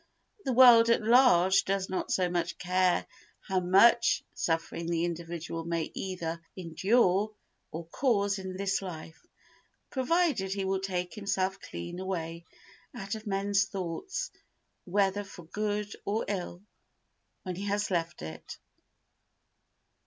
The world at large does not so much care how much suffering the individual may either endure or cause in this life, provided he will take himself clean away out of men's thoughts, whether for good or ill, when he has left it.